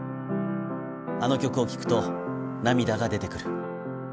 あの曲を聴くと涙が出てくる。